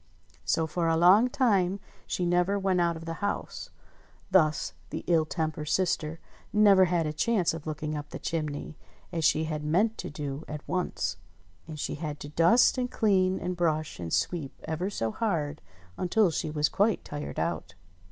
So for a long time she never went out of the house ; thus the ill tempered sister never had a chance of looking up the chimney, as she had meant to do at once. And she had to dust, and clean, and brush, and sweep ever so hard, until she was quite tired out.